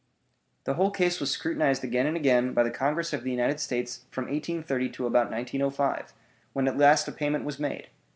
The whole case was scrutinized again and again by the Congress of the United States from 1830 to about 1905, when at last a payment was made!